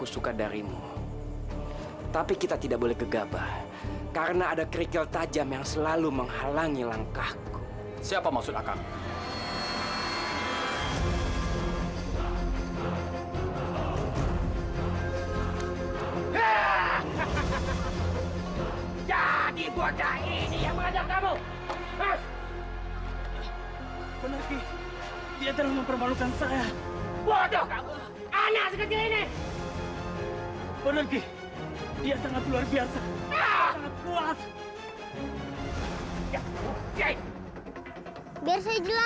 sampai jumpa di video selanjutnya